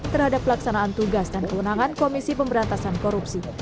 terhadap pelaksanaan tugas dan kewenangan komisi pemberantasan korupsi